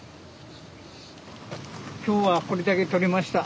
・今日はこれだけとれました。